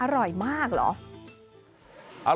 อร่อยมากเหรอ